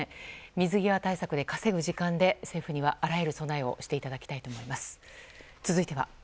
水際対策で稼ぐ時間で政府にはあらゆる備えをしていただきたいと思います。